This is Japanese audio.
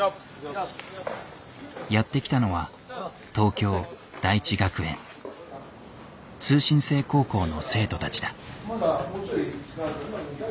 やって来たのは通信制高校の生徒たちだ。